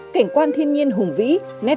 cảnh quan thiên nhiên hùng vĩ nét